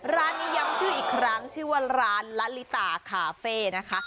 ร้านนี้ย้ำชื่ออีกครั้งชื่อว่าร้านละลิตาคาเฟ่นะคะ